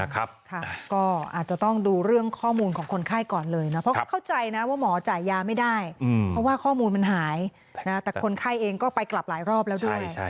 ก็อาจจะต้องดูเรื่องข้อมูลของคนไข้ก่อนเลยนะเพราะเขาเข้าใจนะว่าหมอจ่ายยาไม่ได้เพราะว่าข้อมูลมันหายแต่คนไข้เองก็ไปกลับหลายรอบแล้วด้วย